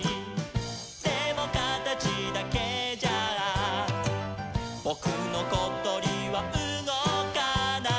「でもかたちだけじゃぼくのことりはうごかない」